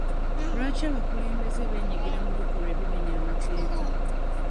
Lwaki abakulembeze beenyigira mu bikolwa ebimenya amateeka?